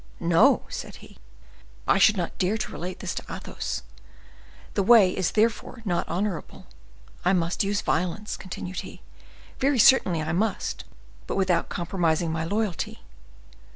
"No," said he; "I should not dare to relate this to Athos; the way is therefore not honorable. I must use violence," continued he,—"very certainly I must, but without compromising my loyalty.